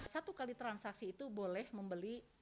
satu kali transaksi itu boleh membeli